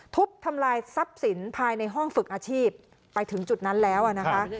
ทุบทำลายทรัพย์สินภายในห้องฝึกอาชีพไปถึงจุดนั้นแล้วนะคะ